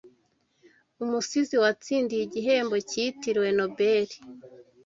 Umusizi watsindiye igihembo cyitiriwe Nobeli